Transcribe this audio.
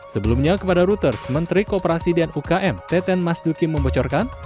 sebelumnya kepada reuters menteri kooperasi dan ukm teten mas duki membocorkan